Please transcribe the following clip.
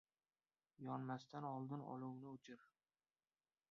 • Yonmasdan oldin olovni o‘chir.